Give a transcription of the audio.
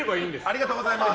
ありがとうございます。